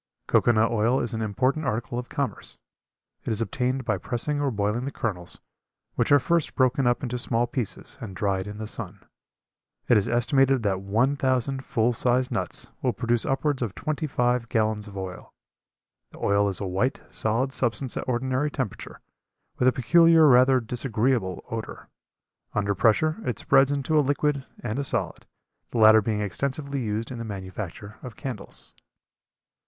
Cocoa nut oil is an important article of commerce. It is obtained by pressing or boiling the kernels, which are first broken up into small pieces and dried in the sun. It is estimated that one thousand full sized nuts will produce upwards of twenty five gallons of oil. The oil is a white, solid substance at ordinary temperature, with a peculiar rather disagreeable odor. Under pressure it spreads into a liquid and a solid, the latter being extensively used in the manufacture of candles.